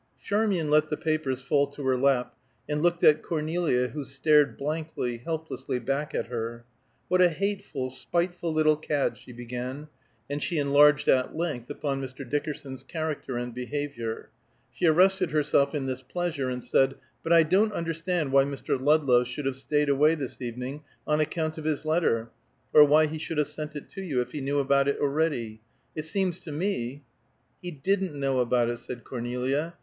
Charmian let the papers fall to her lap, and looked at Cornelia who stared blankly, helplessly back at her. "What a hateful, spiteful little cad!" she began, and she enlarged at length upon Mr. Dickerson's character and behavior. She arrested herself in this pleasure, and said, "But I don't understand why Mr. Ludlow should have staid away this evening on account of his letter, or why he should have sent it to you, if he knew about it already. It seems to me " "He didn't know about it," said Cornelia.